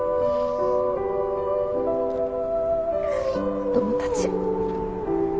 子供たち